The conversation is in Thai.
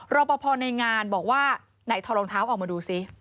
รอปภในงานบอกว่าไหนถอดรองเท้าออกมาดูซิ